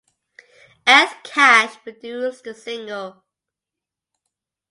Ed Cash produced the single.